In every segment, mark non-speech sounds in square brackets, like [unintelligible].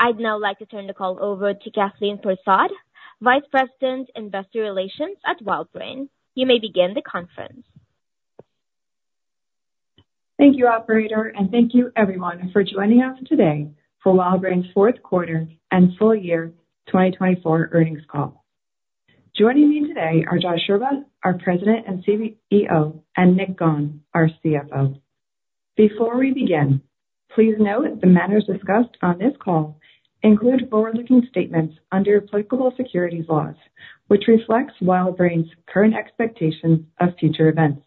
I'd now like to turn the call over to Kathleen Prasad, Vice President, Investor Relations at WildBrain. You may begin the conference. Thank you, operator, and thank you everyone for joining us today for WildBrain's Q4 and full year 2024 Earnings Call. Joining me today are Josh Scherba, our President and CEO, and Nick Gawne, our CFO. Before we begin, please note the matters discussed on this call include forward-looking statements under applicable securities laws, which reflects WildBrain's current expectations of future events.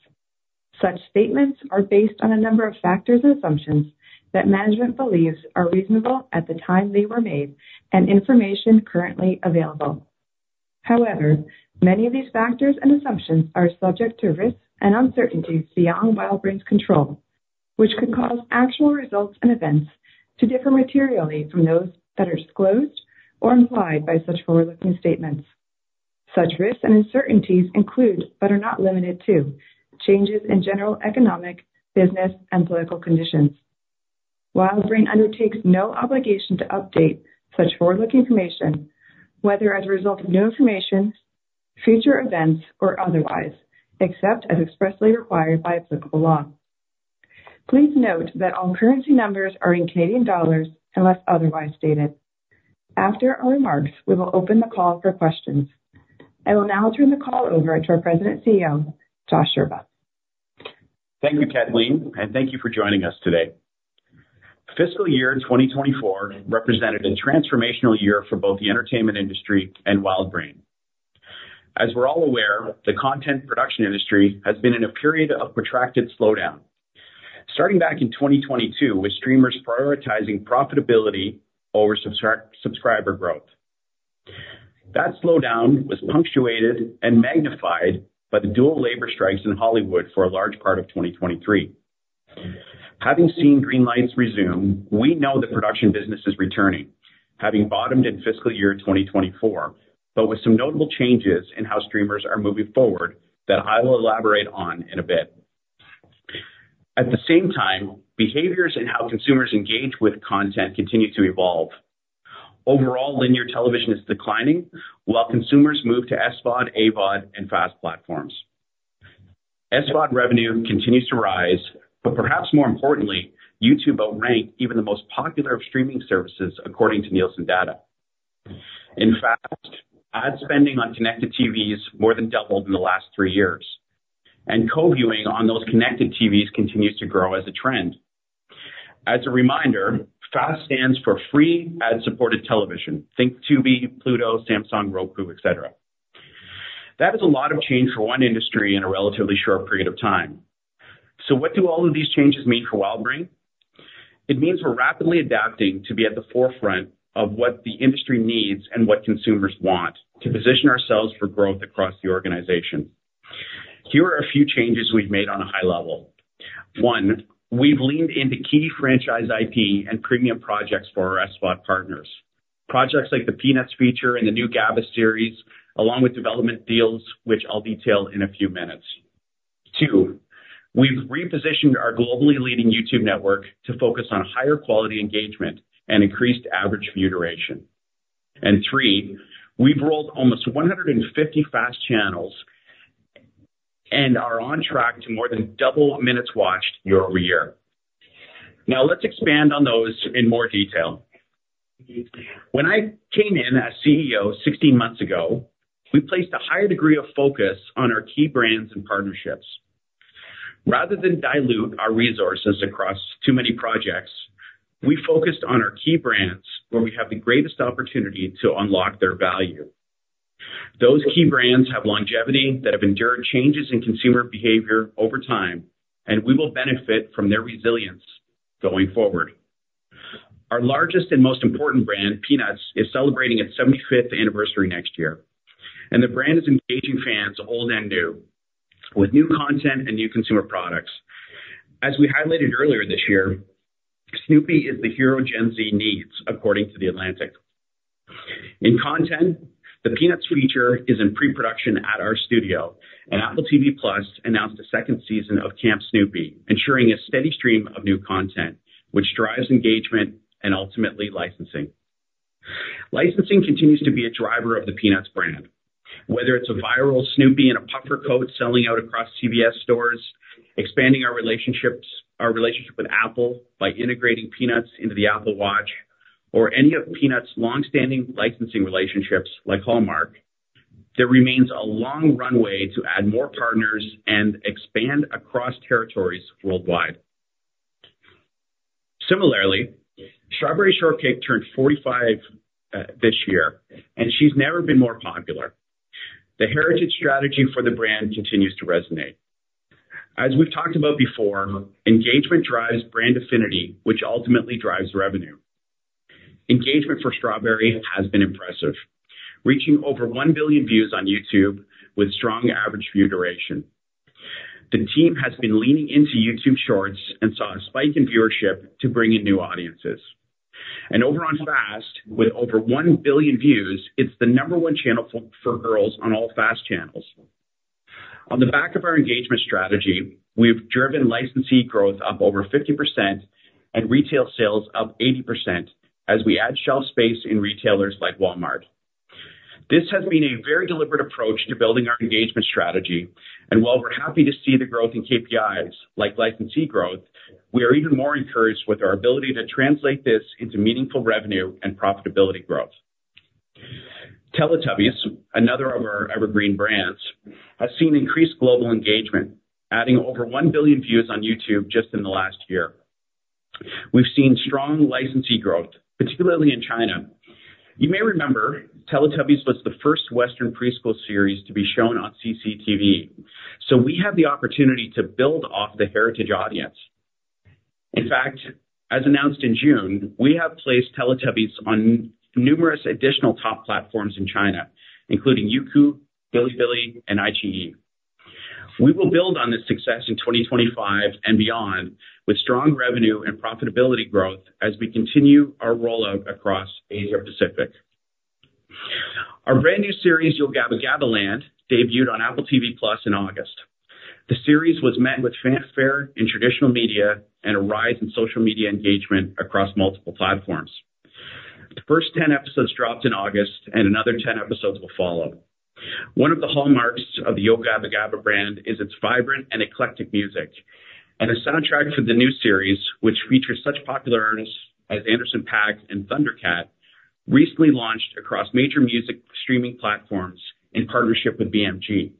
Such statements are based on a number of factors and assumptions that management believes are reasonable at the time they were made and information currently available. However, many of these factors and assumptions are subject to risks and uncertainties beyond WildBrain's control, which could cause actual results and events to differ materially from those that are disclosed or implied by such forward-looking statements. Such risks and uncertainties include, but are not limited to, changes in general economic, business, and political conditions. WildBrain undertakes no obligation to update such forward-looking information, whether as a result of new information, future events, or otherwise, except as expressly required by applicable law. Please note that all currency numbers are in Canadian dollars unless otherwise stated. After our remarks, we will open the call for questions. I will now turn the call over to our President and CEO, Josh Scherba. Thank you, Kathleen, and thank you for joining us today. Fiscal year 2024 represented a transformational year for both the entertainment industry and WildBrain. As we're all aware, the content production industry has been in a period of protracted slowdown, starting back in 2022, with streamers prioritizing profitability over subscriber growth. That slowdown was punctuated and magnified by the dual labor strikes in Hollywood for a large part of 2023. Having seen green lights resume, we know the production business is returning, having bottomed in fiscal year 2024, but with some notable changes in how streamers are moving forward that I will elaborate on in a bit. At the same time, behaviors in how consumers engage with content continue to evolve. Overall, linear television is declining, while consumers move to SVOD, AVOD, and FAST platforms. SVOD revenue continues to rise, but perhaps more importantly, YouTube outranked even the most popular of streaming services, according to Nielsen data. In fact, ad spending on connected TVs more than doubled in the last three years, and co-viewing on those connected TVs continues to grow as a trend. As a reminder, FAST stands for Free Ad-Supported Television. Think Tubi, Pluto, Samsung, Roku, et cetera. That is a lot of change for one industry in a relatively short period of time. So what do all of these changes mean for WildBrain? It means we're rapidly adapting to be at the forefront of what the industry needs and what consumers want to position ourselves for growth across the organization. Here are a few changes we've made on a high level. One, we've leaned into key franchise IP and premium projects for our SVOD partners. Projects like the Peanuts feature and the new Gabba series, along with development deals, which I'll detail in a few minutes. Two, we've repositioned our globally leading YouTube network to focus on higher quality engagement and increased average view duration. And three, we've rolled almost 150 FAST channels and are on track to more than double minutes watched year over year. Now, let's expand on those in more detail. When I came in as CEO 16 months ago, we placed a higher degree of focus on our key brands and partnerships. Rather than dilute our resources across too many projects, we focused on our key brands, where we have the greatest opportunity to unlock their value. Those key brands have longevity, that have endured changes in consumer behavior over time, and we will benefit from their resilience going forward. Our largest and most important brand, Peanuts, is celebrating its seventy-fifth anniversary next year, and the brand is engaging fans old and new, with new content and new consumer products. As we highlighted earlier this year, Snoopy is the hero Gen Z needs, according to The Atlantic. In content, the Peanuts feature is in pre-production at our studio, and Apple TV+ announced a second season of Camp Snoopy, ensuring a steady stream of new content, which drives engagement and ultimately licensing. Licensing continues to be a driver of the Peanuts brand. Whether it's a viral Snoopy in a puffer coat selling out across CVS stores, expanding our relationship with Apple by integrating Peanuts into the Apple Watch, or any of Peanuts' long-standing licensing relationships, like Hallmark, there remains a long runway to add more partners and expand across territories worldwide. Similarly, Strawberry Shortcake turned forty-five this year, and she's never been more popular. The heritage strategy for the brand continues to resonate. As we've talked about before, engagement drives brand affinity, which ultimately drives revenue. Engagement for Strawberry has been impressive, reaching over one billion views on YouTube with strong average view duration. The team has been leaning into YouTube Shorts and saw a spike in viewership to bring in new audiences, and over on FAST, with over one billion views, it's the number one channel for girls on all FAST channels. On the back of our engagement strategy, we've driven licensee growth up over 50% and retail sales up 80% as we add shelf space in retailers like Walmart. This has been a very deliberate approach to building our engagement strategy, and while we're happy to see the growth in KPIs, like licensee growth, we are even more encouraged with our ability to translate this into meaningful revenue and profitability growth. Teletubbies, another of our evergreen brands, has seen increased global engagement, adding over one billion views on YouTube just in the last year. We've seen strong licensee growth, particularly in China. You may remember, Teletubbies was the first Western preschool series to be shown on CCTV, so we have the opportunity to build off the heritage audience. In fact, as announced in June, we have placed Teletubbies on numerous additional top platforms in China, including Youku, Bilibili, and iQiyi. We will build on this success in 2025 and beyond, with strong revenue and profitability growth as we continue our rollout across Asia Pacific. Our brand new series, Yo Gabba GabbaLand! debuted on Apple TV+ in August. The series was met with fanfare in traditional media and a rise in social media engagement across multiple platforms. The first 10 episodes dropped in August, and another 10 episodes will follow. One of the hallmarks of the Yo Gabba Gabba! brand is its vibrant and eclectic music, and the soundtrack for the new series, which features such popular artists as Anderson .Paak and Thundercat, recently launched across major music streaming platforms in partnership with BMG.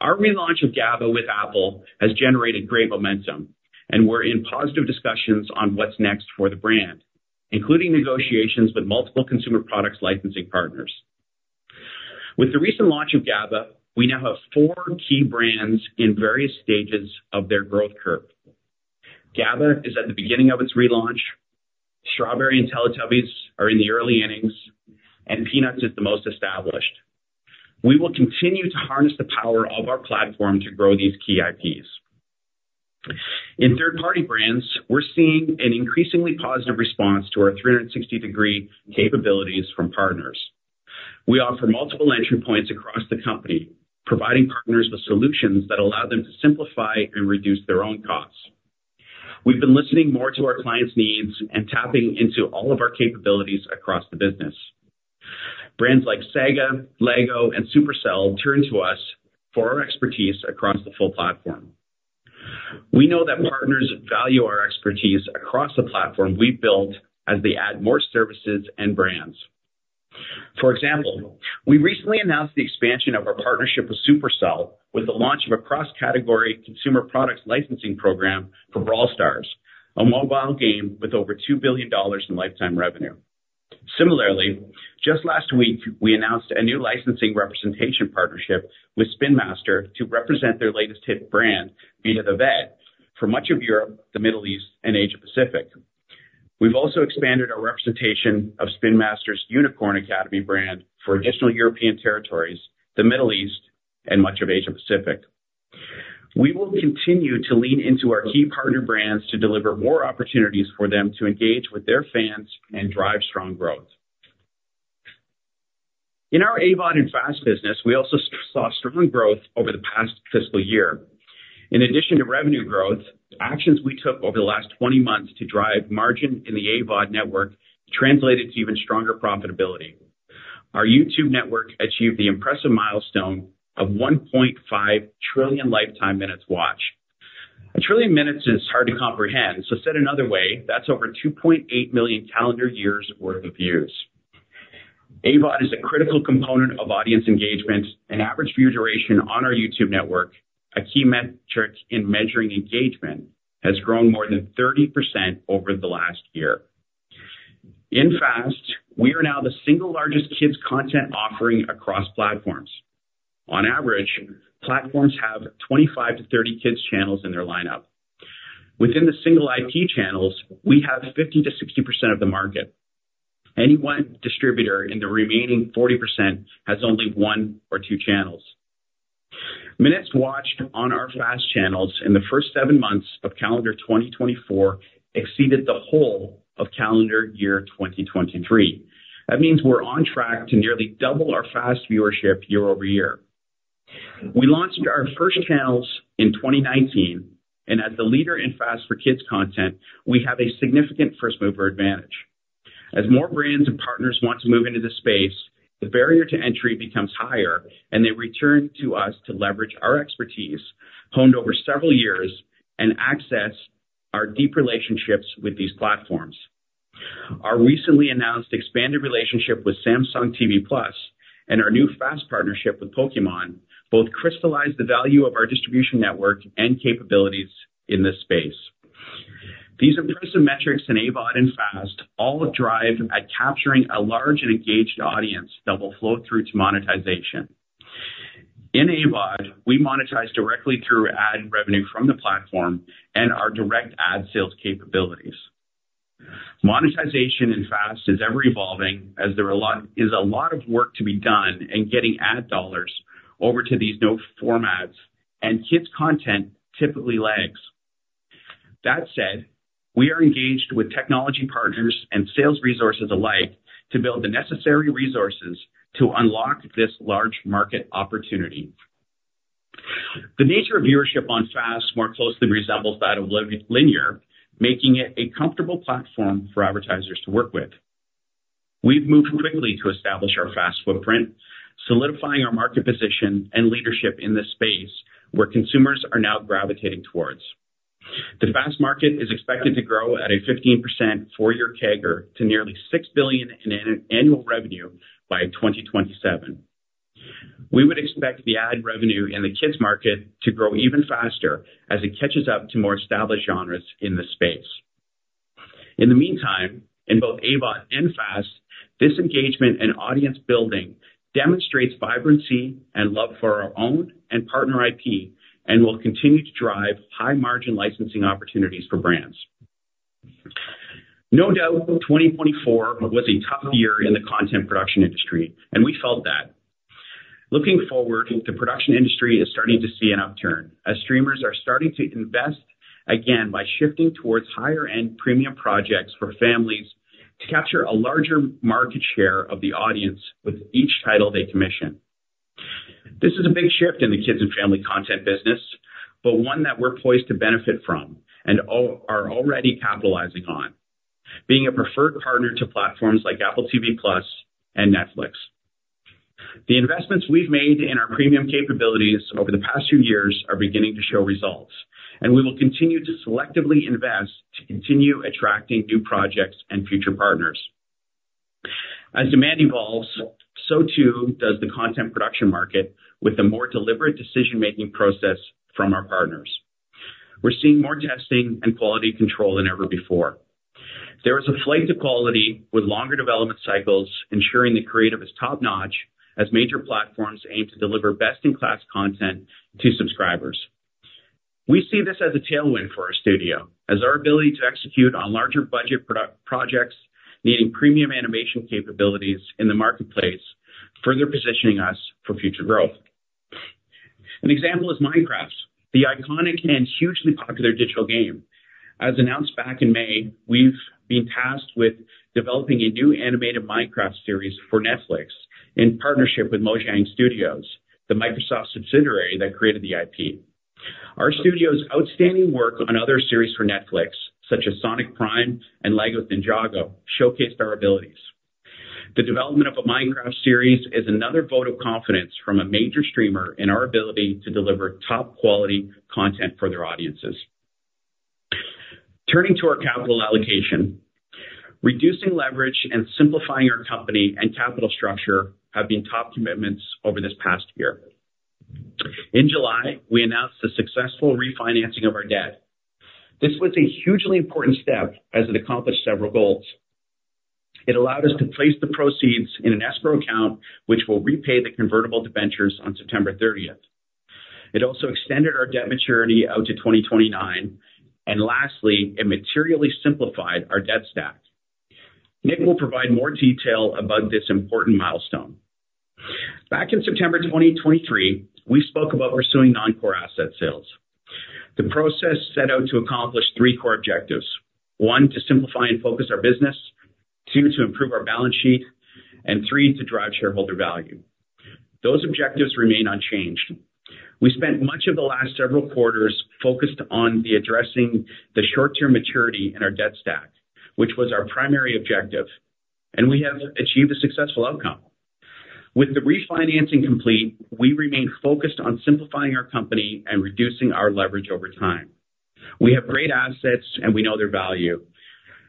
Our relaunch of Gabba with Apple has generated great momentum, and we're in positive discussions on what's next for the brand, including negotiations with multiple consumer products licensing partners. With the recent launch of Gabba, we now have four key brands in various stages of their growth curve. Gabba is at the beginning of its relaunch, Strawberry and Teletubbies are in the early innings, and Peanuts is the most established. We will continue to harness the power of our platform to grow these key IPs. In third-party brands, we're seeing an increasingly positive response to our 360-degree capabilities from partners. We offer multiple entry points across the company, providing partners with solutions that allow them to simplify and reduce their own costs. We've been listening more to our clients' needs and tapping into all of our capabilities across the business. Brands like Sega, LEGO, and Supercell turn to us for our expertise across the full platform. We know that partners value our expertise across the platform we've built as they add more services and brands. For example, we recently announced the expansion of our partnership with Supercell, with the launch of a cross-category consumer products licensing program for Brawl Stars, a mobile game with over $2 billion in lifetime revenue. Similarly, just last week, we announced a new licensing representation partnership with Spin Master to represent their latest hit brand, Vita the Vet, for much of Europe, the Middle East, and Asia Pacific. We've also expanded our representation of Spin Master's Unicorn Academy brand for additional European territories, the Middle East and much of Asia Pacific. We will continue to lean into our key partner brands to deliver more opportunities for them to engage with their fans and drive strong growth. In our AVOD and FAST business, we also saw strong growth over the past fiscal year. In addition to revenue growth, actions we took over the last 20 months to drive margin in the AVOD network translated to even stronger profitability. Our YouTube network achieved the impressive milestone of 1.5 trillion lifetime minutes watched. A trillion minutes is hard to comprehend, so said another way, that's over 2.8 million calendar years worth of views. AVOD is a critical component of audience engagement and average view duration on our YouTube network, a key metric in measuring engagement, has grown more than 30% over the last year. In FAST, we are now the single largest kids content offering across platforms. On average, platforms have 25-30 kids channels in their lineup. Within the single IP channels, we have 50%-60% of the market. Any one distributor in the remaining 40% has only one or two channels. Minutes watched on our FAST channels in the first seven months of calendar 2024 exceeded the whole of calendar year 2023. That means we're on track to nearly double our FAST viewership year over year. We launched our first channels in 2019, and as the leader in FAST for kids content, we have a significant first-mover advantage. As more brands and partners want to move into the space, the barrier to entry becomes higher, and they return to us to leverage our expertise, honed over several years, and access our deep relationships with these platforms. Our recently announced expanded relationship with Samsung TV Plus and our new FAST partnership with Pokémon both crystallize the value of our distribution network and capabilities in this space. These are some metrics in AVOD and FAST, all of drive at capturing a large and engaged audience that will flow through to monetization. In AVOD, we monetize directly through ad revenue from the platform and our direct ad sales capabilities. Monetization in FAST is ever evolving, as there is a lot of work to be done in getting ad dollars over to these new formats, and kids content typically lags. That said, we are engaged with technology partners and sales resources alike to build the necessary resources to unlock this large market opportunity. The nature of viewership on FAST more closely resembles that of linear, making it a comfortable platform for advertisers to work with. We've moved quickly to establish our FAST footprint, solidifying our market position and leadership in this space, where consumers are now gravitating toward. The FAST market is expected to grow at a 15% four-year CAGR to nearly $6 billion in annual revenue by 2027. We would expect the ad revenue in the kids market to grow even faster as it catches up to more established genres in the space. In the meantime, in both AVOD and FAST, this engagement and audience building demonstrates vibrancy and love for our own and partner IP, and will continue to drive high-margin licensing opportunities for brands. No doubt, 2024 was a tough year in the content production industry, and we felt that. Looking forward, the production industry is starting to see an upturn, as streamers are starting to invest again by shifting towards higher-end premium projects for families to capture a larger market share of the audience with each title they commission. This is a big shift in the kids and family content business, but one that we're poised to benefit from and are already capitalizing on, being a preferred partner to platforms like Apple TV+ and Netflix. The investments we've made in our premium capabilities over the past few years are beginning to show results, and we will continue to selectively invest to continue attracting new projects and future partners. As demand evolves, so too does the content production market with a more deliberate decision-making process from our partners. We're seeing more testing and quality control than ever before. There is a flight to quality with longer development cycles, ensuring the creative is top-notch, as major platforms aim to deliver best-in-class content to subscribers. We see this as a tailwind for our studio, as our ability to execute on larger budget projects needing premium animation capabilities in the marketplace, further positioning us for future growth. An example is Minecraft, the iconic and hugely popular digital game. As announced back in May, we've been tasked with developing a new animated Minecraft series for Netflix in partnership with Mojang Studios, the Microsoft subsidiary that created the IP. Our studio's outstanding work on other series for Netflix, such as Sonic Prime and LEGO Ninjago, showcased our abilities. The development of a Minecraft series is another vote of confidence from a major streamer in our ability to deliver top-quality content for their audiences. Turning to our capital allocation, reducing leverage and simplifying our company and capital structure have been top commitments over this past year. In July, we announced the successful refinancing of our debt. This was a hugely important step, as it accomplished several goals. It allowed us to place the proceeds in an escrow account, which will repay the convertible debentures on September thirtieth. It also extended our debt maturity out to 2029, and lastly, it materially simplified our debt stack. Nick will provide more detail about this important milestone. Back in September 2023, we spoke about pursuing non-core asset sales. The process set out to accomplish three core objectives: one, to simplify and focus our business, two, to improve our balance sheet, and three, to drive shareholder value. Those objectives remain unchanged. We spent much of the last several quarters focused on addressing the short-term maturity in our debt stack, which was our primary objective, and we have achieved a successful outcome. With the refinancing complete, we remain focused on simplifying our company and reducing our leverage over time. We have great assets, and we know their value.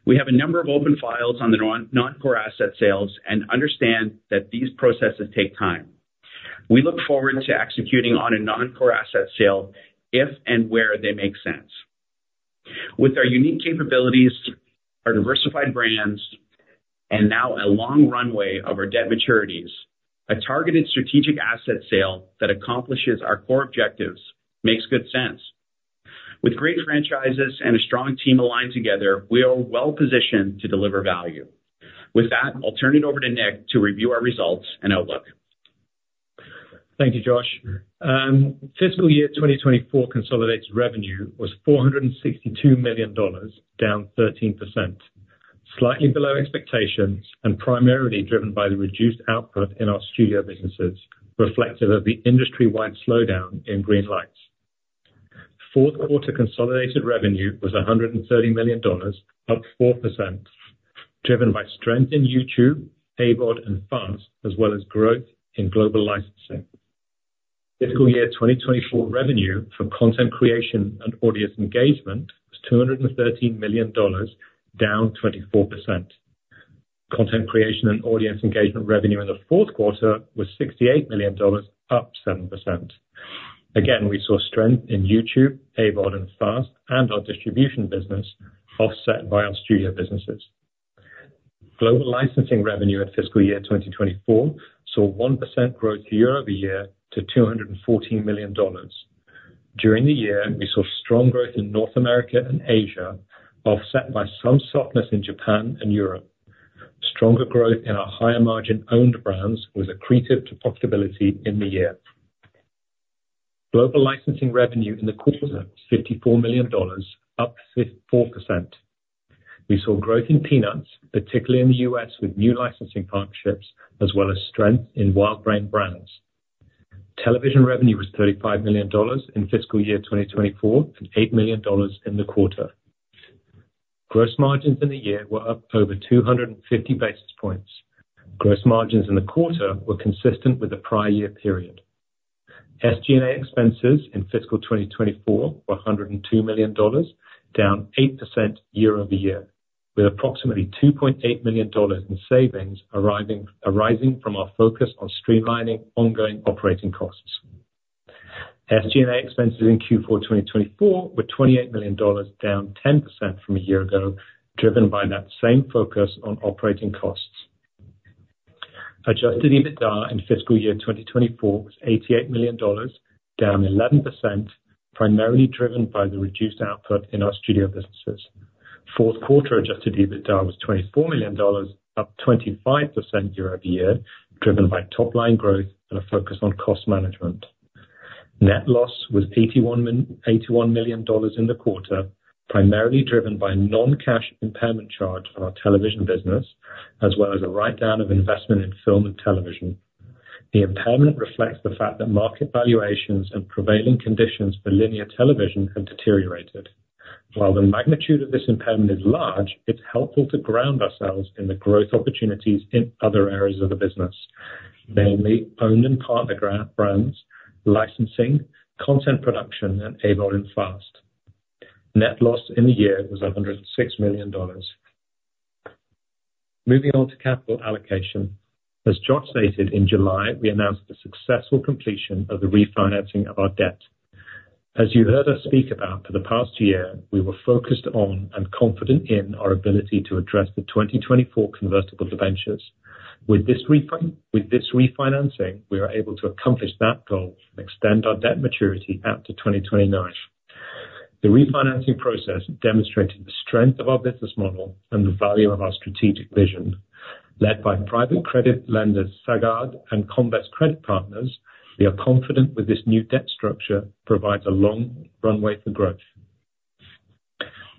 We have a number of open files on the non-core asset sales and understand that these processes take time. We look forward to executing on a non-core asset sale if and where they make sense. With our unique capabilities, our diversified brands, and now a long runway of our debt maturities, a targeted strategic asset sale that accomplishes our core objectives makes good sense. With great franchises and a strong team aligned together, we are well positioned to deliver value. With that, I'll turn it over to Nick to review our results and outlook. Thank you, Josh. Fiscal year 2024 consolidated revenue was CAD 462 million, down 13%, slightly below expectations and primarily driven by the reduced output in our studio businesses, reflective of the industry-wide slowdown in green lights. Q4 consolidated revenue was 130 million dollars, up 4%, driven by strength in YouTube, AVOD, and FAST, as well as growth in global licensing. Fiscal year 2024 revenue for content creation and audience engagement was 213 million dollars, down 24%. Content creation and audience engagement revenue in the Q4 was 68 million dollars, up 7%. Again, we saw strength in YouTube, AVOD, and FAST, and our distribution business offset by our studio businesses. Global licensing revenue in fiscal year 2024 saw 1% growth year over year to 214 million dollars. During the year, we saw strong growth in North America and Asia, offset by some softness in Japan and Europe. Stronger growth in our higher margin owned brands was accretive to profitability in the year. Global licensing revenue in the quarter, 54 million dollars, up 54%. We saw growth in Peanuts, particularly in the U.S., with new licensing partnerships, as well as strength in WildBrain brands. Television revenue was 35 million dollars in fiscal year 2024, and 8 million dollars in the quarter. Gross margins in the year were up over 250 basis points. Gross margins in the quarter were consistent with the prior year period. SG&A expenses in fiscal 2024 were 102 million dollars, down 8% year-over-year, with approximately 2.8 million dollars in savings arising from our focus on streamlining ongoing operating costs. SG&A expenses in Q4 2024 were 28 million dollars, down 10% from a year ago, driven by that same focus on operating costs. Adjusted EBITDA in fiscal year 2024 was 88 million dollars, down 11%, primarily driven by the reduced output in our studio businesses. Q4 adjusted EBITDA was 24 million dollars, up 25% year-over-year, driven by top line growth and a focus on cost management. Net loss was 81 million dollars in the quarter, primarily driven by a non-cash impairment charge on our television business, as well as a write-down of investment in film and television. The impairment reflects the fact that market valuations and prevailing conditions for linear television have deteriorated. While the magnitude of this impairment is large, it's helpful to ground ourselves in the growth opportunities in other areas of the business, namely, owned and partner brands, licensing, content production, and AVOD and FAST. Net loss in the year was 106 million dollars. Moving on to capital allocation. As Josh stated, in July, we announced the successful completion of the refinancing of our debt. As you've heard us speak about for the past year, we were focused on and confident in our ability to address the 2024 convertible debentures. With this refinancing, we are able to accomplish that goal and extend our debt maturity out to twenty twenty-nine. The refinancing process demonstrated the strength of our business model and the value of our strategic vision. Led by private credit lenders, Sagard and Comvest Credit Partners, we are confident with this new debt structure, provides a long runway for growth.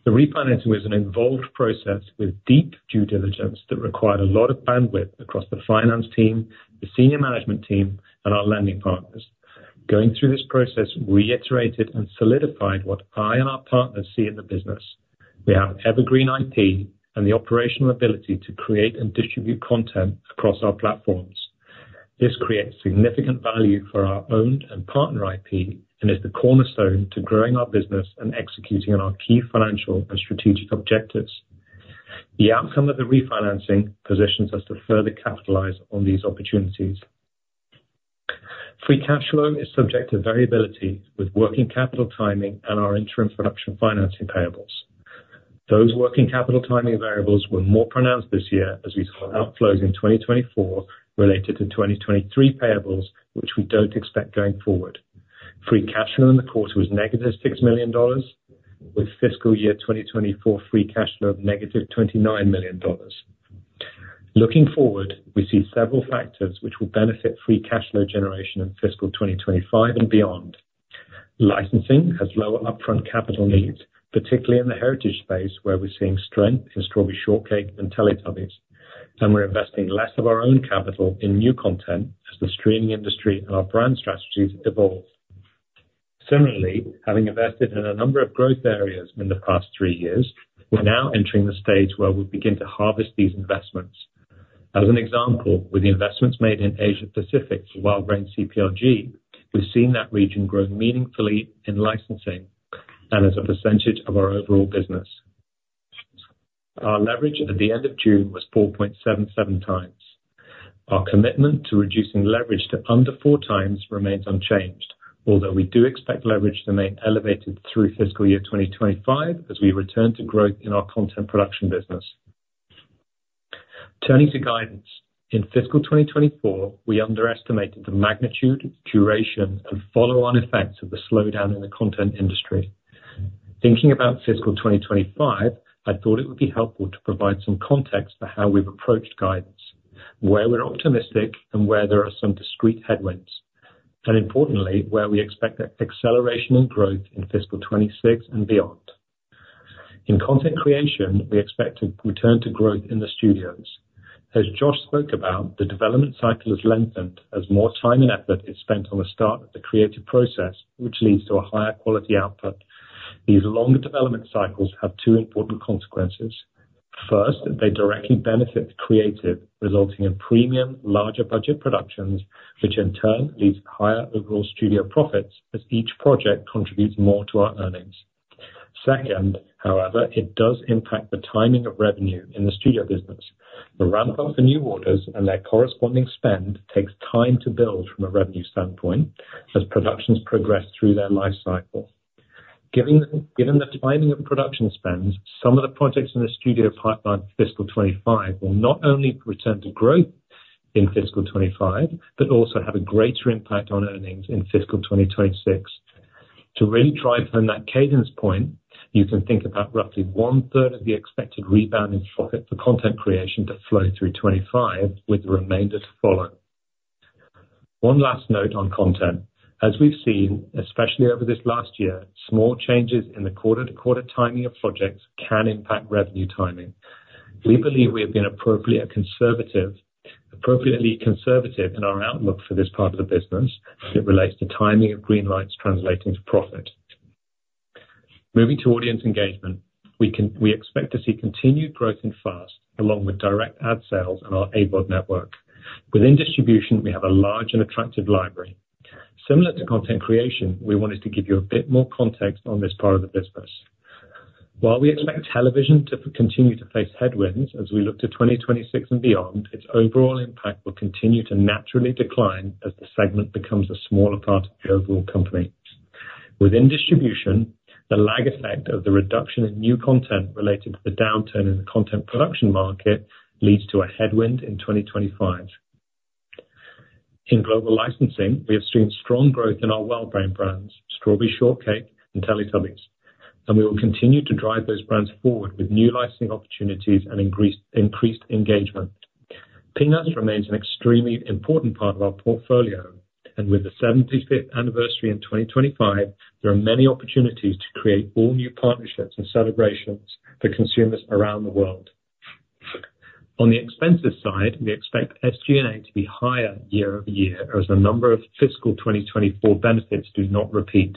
The refinancing was an involved process with deep due diligence that required a lot of bandwidth across the finance team, the senior management team, and our lending partners. Going through this process, reiterated and solidified what I and our partners see in the business. We have evergreen IP and the operational ability to create and distribute content across our platforms. This creates significant value for our owned and partner IP, and is the cornerstone to growing our business and executing on our key financial and strategic objectives. The outcome of the refinancing positions us to further capitalize on these opportunities. Free cash flow is subject to variability with working capital timing and our interim production financing payables. Those working capital timing variables were more pronounced this year as we saw outflows in 2024 related to 2023 payables, which we don't expect going forward. Free cash flow in the quarter was negative 6 million dollars, with fiscal year 2024 free cash flow of negative 29 million dollars. Looking forward, we see several factors which will benefit free cash flow generation in fiscal 2025 and beyond. Licensing has lower upfront capital needs, particularly in the heritage space, where we're seeing strength in Strawberry Shortcake and Teletubbies, and we're investing less of our own capital in new content as the streaming industry and our brand strategies evolve. Similarly, having invested in a number of growth areas in the past three years, we're now entering the stage where we begin to harvest these investments. As an example, with the investments made in Asia Pacific for WildBrain CPLG, we've seen that region grow meaningfully in licensing and as a percentage of our overall business. Our leverage at the end of June was 4.77 times. Our commitment to reducing leverage to under four times remains unchanged, although we do expect leverage to remain elevated through fiscal year 2025 as we return to growth in our content production business. Turning to guidance. In fiscal 2024, we underestimated the magnitude, duration, and follow-on effects of the slowdown in the content industry. Thinking about fiscal 2025, I thought it would be helpful to provide some context for how we've approached guidance, where we're optimistic and where there are some discrete headwinds, and importantly, where we expect an acceleration in growth in fiscal 2026 and beyond. In content creation, we expect to return to growth in the studios. As Josh spoke about, the development cycle has lengthened as more time and effort is spent on the start of the creative process, which leads to a higher quality output. These longer development cycles have two important consequences. First, they directly benefit creative, resulting in premium, larger budget productions, which in turn leads to higher overall studio profits as each project contributes more to our earnings. Second, however, it does impact the timing of revenue in the studio business. The ramp-up in new orders and their corresponding spend takes time to build from a revenue standpoint as productions progress through their life cycle. Given the timing of production spends, some of the projects in the studio pipeline for fiscal 2025 will not only return to growth in fiscal 2025, but also have a greater impact on earnings in fiscal 2026. To really drive home that cadence point, you can think about roughly one-third of the expected rebound in profit for content creation to flow through 2025, with the remainder to follow. One last note on content. As we've seen, especially over this last year, small changes in the quarter-to-quarter timing of projects can impact revenue timing. We believe we have been appropriately conservative in our outlook for this part of the business as it relates to timing of green lights translating to profit. Moving to audience engagement, we expect to see continued growth in FAST, along with direct ad sales and our AVOD network. Within distribution, we have a large and attractive library. Similar to content creation, we wanted to give you a bit more context on this part of the business. While we expect television to continue to face headwinds as we look to 2026 and beyond, its overall impact will continue to naturally decline as the segment becomes a smaller part of the overall company. Within distribution, the lag effect of the reduction in new content related to the downturn in the content production market leads to a headwind in 2025. In global licensing, we have seen strong growth in our WildBrain brands, Strawberry Shortcake and Teletubbies, and we will continue to drive those brands forward with new licensing opportunities and increased engagement. Peanuts remains an extremely important part of our portfolio, and with the 75th anniversary in 2025, there are many opportunities to create all new partnerships and celebrations for consumers around the world. On the expenses side, we expect SG&A to be higher year over year, as the number of fiscal 2024 benefits do not repeat.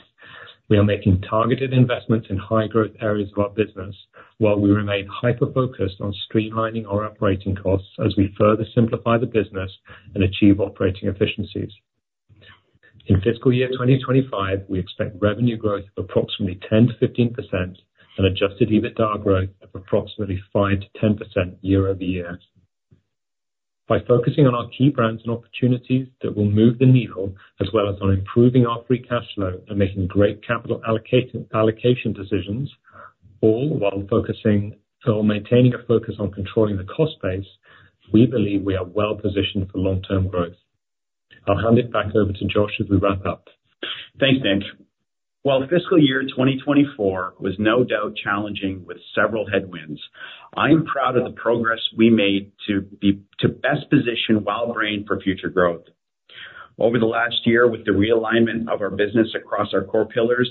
We are making targeted investments in high growth areas of our business, while we remain hyper-focused on streamlining our operating costs as we further simplify the business and achieve operating efficiencies. In fiscal year 2025, we expect revenue growth of approximately 10%-15% and adjusted EBITDA growth of approximately 5%-10% year over year. By focusing on our key brands and opportunities that will move the needle, as well as on improving our free cash flow and making great capital allocation decisions, all while focusing or maintaining a focus on controlling the cost base, we believe we are well positioned for long-term growth. I'll hand it back over to Josh as we wrap up. Thanks, Nick. While fiscal year 2024 was no doubt challenging with several headwinds, I'm proud of the progress we made to best position WildBrain for future growth. Over the last year, with the realignment of our business across our core pillars,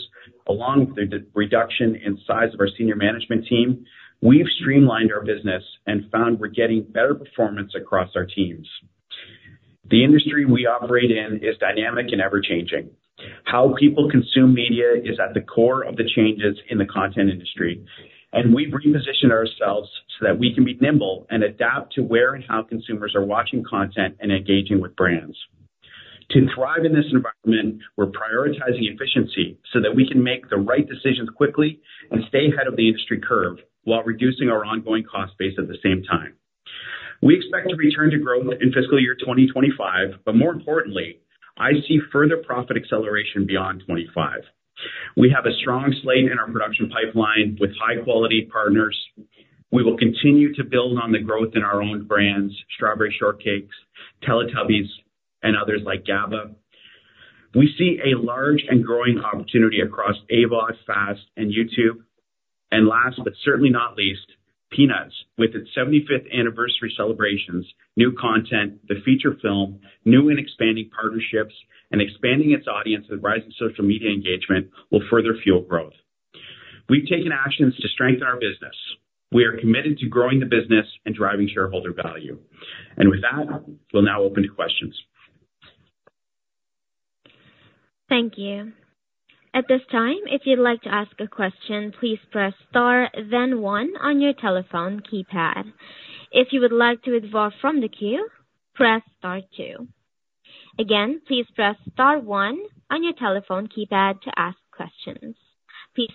along with the reduction in size of our senior management team, we've streamlined our business and found we're getting better performance across our teams. The industry we operate in is dynamic and ever-changing. How people consume media is at the core of the changes in the content industry, and we've repositioned ourselves so that we can be nimble and adapt to where and how consumers are watching content and engaging with brands. To thrive in this environment, we're prioritizing efficiency so that we can make the right decisions quickly and stay ahead of the industry curve while reducing our ongoing cost base at the same time. We expect to return to growth in fiscal year 2025, but more importantly, I see further profit acceleration beyond 2025. We have a strong slate in our production pipeline with high-quality partners. We will continue to build on the growth in our own brands, Strawberry Shortcake, Teletubbies and others like Gabba. We see a large and growing opportunity across AVOD, FAST, and YouTube. And last, but certainly not least, Peanuts, with its 75th anniversary celebrations, new content, the feature film, new and expanding partnerships, and expanding its audience and rising social media engagement will further fuel growth. We've taken actions to strengthen our business. We are committed to growing the business and driving shareholder value. And with that, we'll now open to questions. Thank you. At this time, if you'd like to ask a question, please press star then one on your telephone keypad. If you would like to withdraw from the queue, press star two. Again, please press star one on your telephone keypad to ask questions. Please.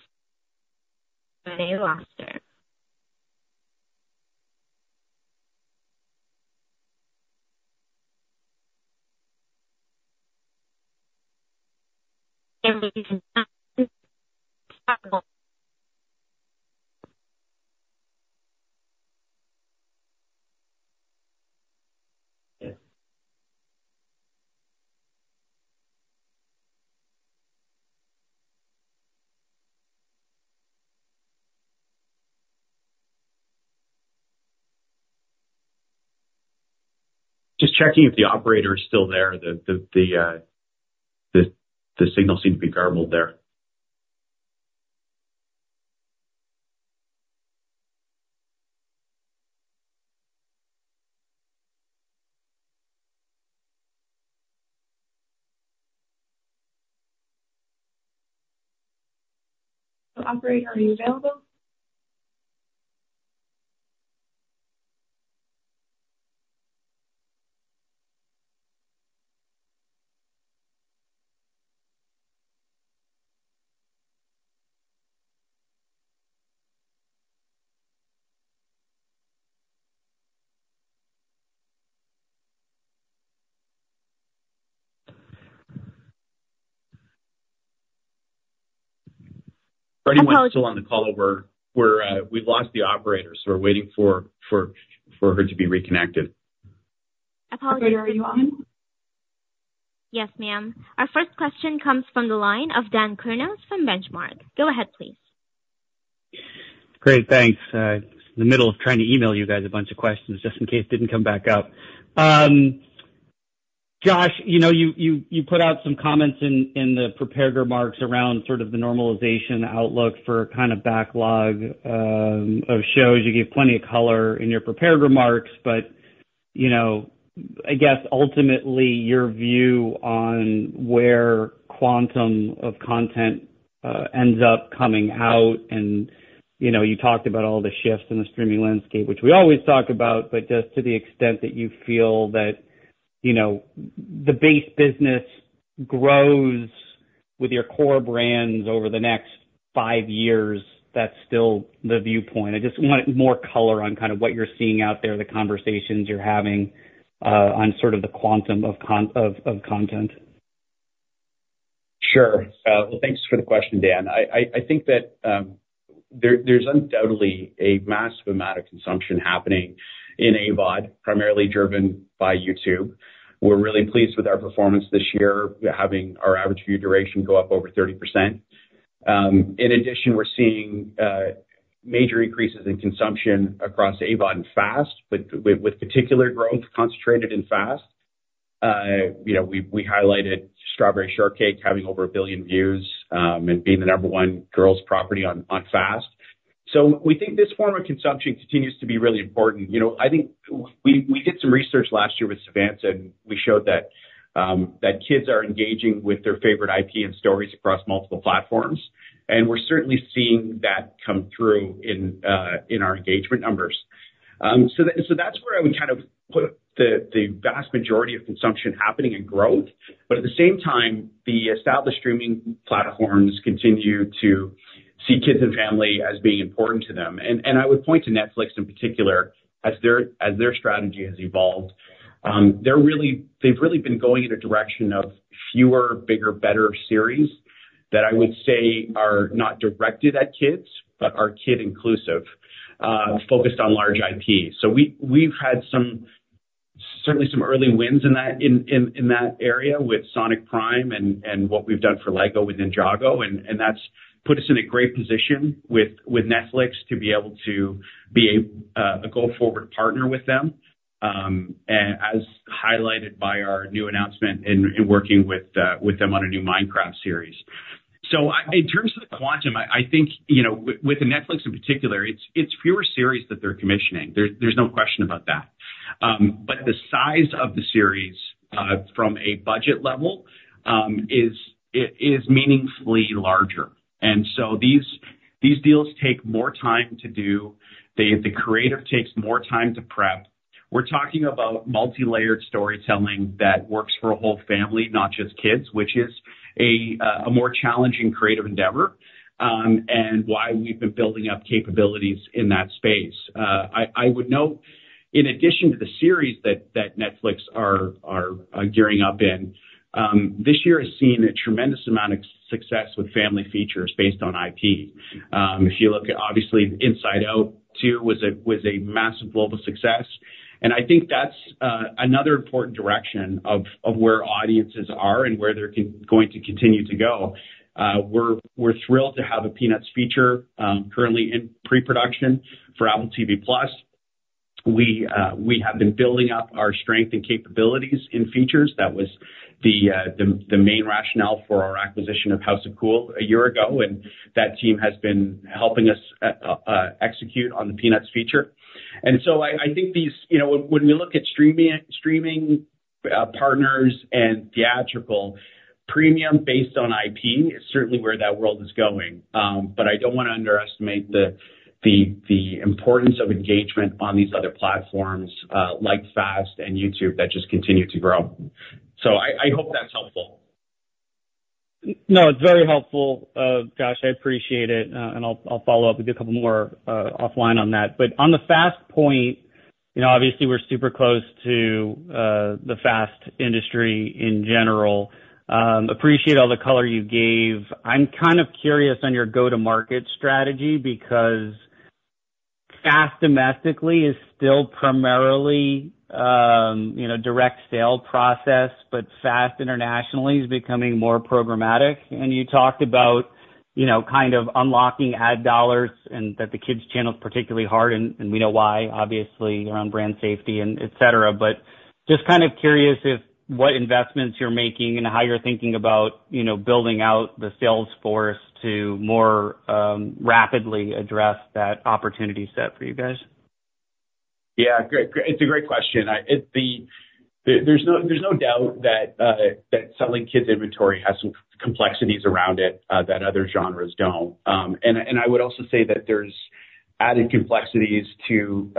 [unintelligible] Just checking if the operator is still there. The signal seems to be garbled there. Operator, are you available? ... Anyone still on the call over, we're, we've lost the operator, so we're waiting for her to be reconnected. Apologies. Yes, ma'am. Our first question comes from the line of Dan Kurnos from Benchmark. Go ahead, please. Great, thanks. In the middle of trying to email you guys a bunch of questions, just in case it didn't come back up. Josh, you know, you put out some comments in the prepared remarks around sort of the normalization outlook for kind of backlog of shows. You gave plenty of color in your prepared remarks, but, you know, I guess ultimately, your view on where quantum of content ends up coming out and, you know, you talked about all the shifts in the streaming landscape, which we always talk about, but just to the extent that you feel that, you know, the base business grows with your core brands over the next five years, that's still the viewpoint. I just want more color on kind of what you're seeing out there, the conversations you're having, on sort of the quantum of content. Sure, well, thanks for the question, Dan. I think that there's undoubtedly a massive amount of consumption happening in AVOD, primarily driven by YouTube. We're really pleased with our performance this year, having our average view duration go up over 30%. In addition, we're seeing major increases in consumption across AVOD and FAST, with particular growth concentrated in FAST. You know, we highlighted Strawberry Shortcake having over a billion views, and being the number one girls property on FAST, so we think this form of consumption continues to be really important. You know, I think we did some research last year with Savanta, and we showed that kids are engaging with their favorite IP and stories across multiple platforms, and we're certainly seeing that come through in our engagement numbers. That's where I would kind of put the vast majority of consumption happening and growth. But at the same time, the established streaming platforms continue to see kids and family as being important to them. I would point to Netflix in particular as their strategy has evolved. They're really. They've really been going in a direction of fewer, bigger, better series that I would say are not directed at kids, but are kid inclusive, focused on large IP. We've had some certainly some early wins in that area with Sonic Prime and what we've done for LEGO with Ninjago, and that's put us in a great position with Netflix to be able to be a go forward partner with them. And as highlighted by our new announcement in working with them on a new Minecraft series. In terms of the quantum, I think, you know, with the Netflix in particular, it's fewer series that they're commissioning. There's no question about that. But the size of the series from a budget level is meaningfully larger. And so these deals take more time to do. The creative takes more time to prep. We're talking about multilayered storytelling that works for a whole family, not just kids, which is a more challenging creative endeavor, and why we've been building up capabilities in that space. I would note, in addition to the series that Netflix are gearing up in this year has seen a tremendous amount of success with family features based on IP. If you look at obviously Inside Out 2 was a massive global success, and I think that's another important direction of where audiences are and where they're going to continue to go. We're thrilled to have a Peanuts feature currently in pre-production for Apple TV+. We have been building up our strength and capabilities in features. That was the main rationale for our acquisition of House of Cool a year ago, and that team has been helping us execute on the Peanuts feature. So I think these... You know, when we look at streaming partners and theatrical, premium based on IP is certainly where that world is going. But I don't want to underestimate the importance of engagement on these other platforms, like FAST and YouTube, that just continue to grow. So I hope that's helpful. No, it's very helpful, Josh, I appreciate it, and I'll follow up with you a couple more offline on that. But on the FAST point, you know, obviously we're super close to the FAST industry in general. Appreciate all the color you gave. I'm kind of curious on your go-to-market strategy, because FAST domestically is still primarily, you know, direct sale process, but FAST internationally is becoming more programmatic. And you talked about, you know, kind of unlocking ad dollars and that the kids channel is particularly hard, and we know why, obviously, around brand safety and et cetera. But just kind of curious if what investments you're making and how you're thinking about, you know, building out the sales force to more rapidly address that opportunity set for you guys. Yeah, great. It's a great question. It. There's no doubt that selling kids' inventory has some complexities around it that other genres don't. And I would also say that there's added complexities to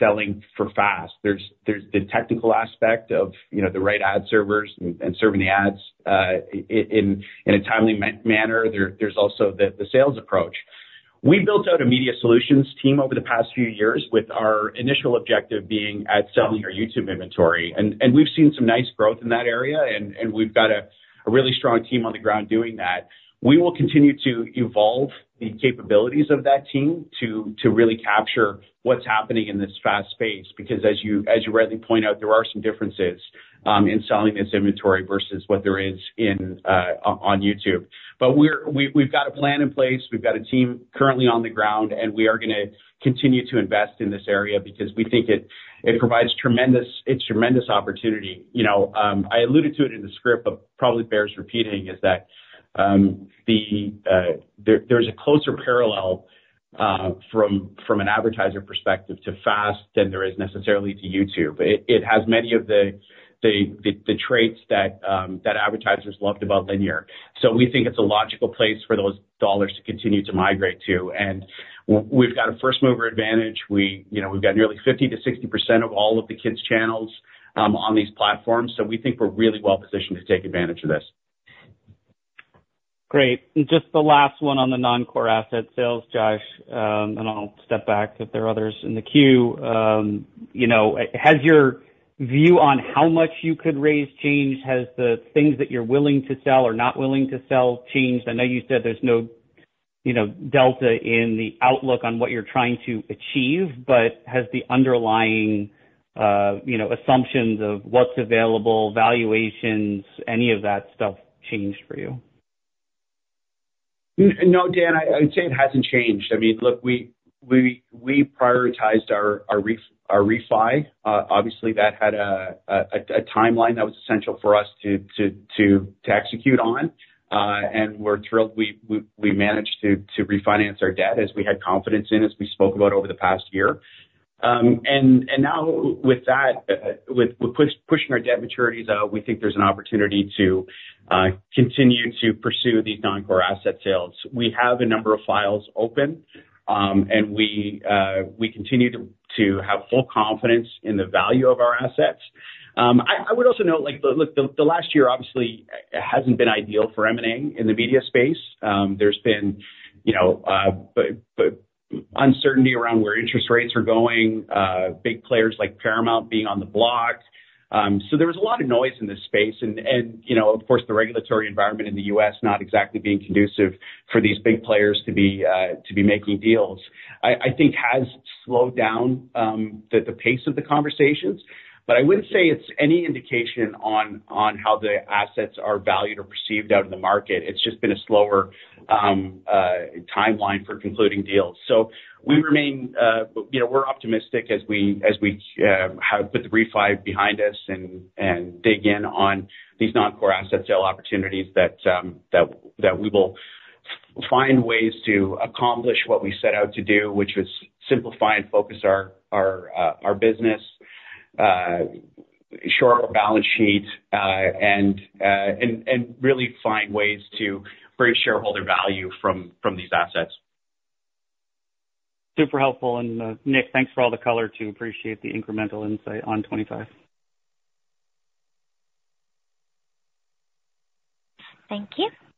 selling for FAST. There's the technical aspect of, you know, the right ad servers and serving the ads in a timely manner. There's also the sales approach. We built out a media solutions team over the past few years, with our initial objective being at selling our YouTube inventory. And we've seen some nice growth in that area, and we've got a really strong team on the ground doing that. We will continue to evolve the capabilities of that team to really capture what's happening in this fast space, because as you rightly point out, there are some differences in selling this inventory versus what there is in on YouTube. But we, we've got a plan in place. We've got a team currently on the ground, and we are gonna continue to invest in this area because we think it provides tremendous opportunity. You know, I alluded to it in the script, but probably bears repeating, is that there's a closer parallel from an advertiser perspective to fast than there is necessarily to YouTube. It has many of the traits that advertisers loved about linear. So we think it's a logical place for those dollars to continue to migrate to, and we've got a first mover advantage. We, you know, we've got nearly 50%-60% of all of the kids' channels on these platforms, so we think we're really well positioned to take advantage of this. Great. Just the last one on the non-core asset sales, Josh, and I'll step back if there are others in the queue. You know, has your view on how much you could raise change? Has the things that you're willing to sell or not willing to sell changed? I know you said there's no, you know, delta in the outlook on what you're trying to achieve, but has the underlying, you know, assumptions of what's available, valuations, any of that stuff changed for you? No, Dan, I'd say it hasn't changed. I mean, look, we prioritized our refi. Obviously, that had a timeline that was essential for us to execute on. And we're thrilled we managed to refinance our debt, as we had confidence in, as we spoke about over the past year. And now with that, with pushing our debt maturities out, we think there's an opportunity to continue to pursue these non-core asset sales. We have a number of files open, and we continue to have full confidence in the value of our assets. I would also note, like, the look, the last year obviously hasn't been ideal for M&A in the media space. There's been, you know, uncertainty around where interest rates are going, big players like Paramount being on the block. So there was a lot of noise in this space and, you know, of course, the regulatory environment in the U.S. not exactly being conducive for these big players to be making deals. I think has slowed down the pace of the conversations, but I wouldn't say it's any indication on how the assets are valued or perceived out in the market. It's just been a slower timeline for concluding deals. So we remain, you know, we're optimistic as we have put the refi behind us and dig in on these non-core asset sale opportunities that we will find ways to accomplish what we set out to do, which was simplify and focus our business, shore up our balance sheet, and really find ways to create shareholder value from these assets. Super helpful. And, Nick, thanks for all the color too. Appreciate the incremental insight on twenty-five. Thank you.